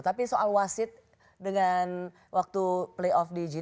tapi soal wasit dengan waktu playoff di jepang